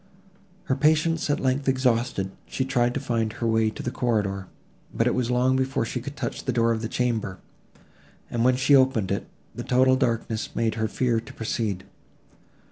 Her patience, at length, exhausted, she tried to find her way to the corridor, but it was long before she could touch the door of the chamber, and, when she had opened it, the total darkness without made her fear to proceed.